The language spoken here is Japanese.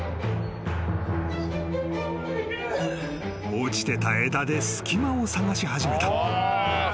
［落ちてた枝で隙間を探し始めた］